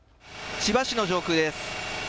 千葉市の上空です。